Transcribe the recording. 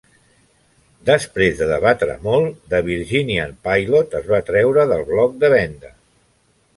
Després de debatre molt, "The Virginian-Pilot" es va treure del bloc de vendes.